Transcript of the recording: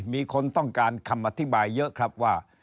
มีคนต้องการคำอธิบายเยอะครับว่า